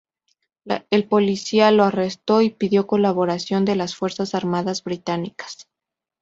El policía los arrestó y pidió colaboración de las fuerzas armadas británicas.